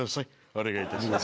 お願い致します。